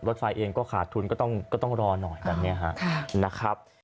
รถไฟเองก็ขาดทุนก็ต้องรอหน่อยแบบนี้ครับนะครับ